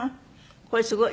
これすごい。